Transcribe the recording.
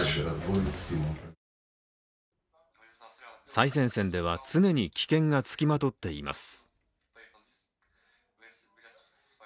最前線では常に危険がつきまとっています。